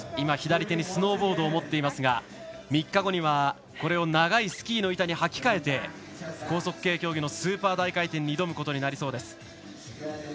左手にスノーボードを持っていますが３日後にはこれを長いスキーの板に履き替えて、高速系競技のスーパー大回転に挑むことになりそうです。